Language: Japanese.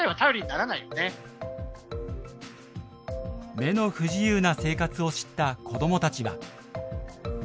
目の不自由な生活を知った子どもたちは。